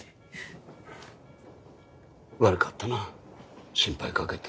悪かったな心配かけて。